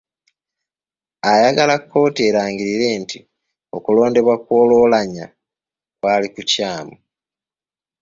Ayagala kkooti erangirire nti okulondebwa kwa Oulanyah kwali kukyamu .